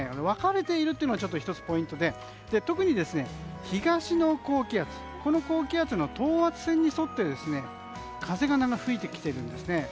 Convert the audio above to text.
分かれているというのが１つ、ポイントで特に東の高気圧、この高気圧の等圧線に沿って風が吹いてきているんですね。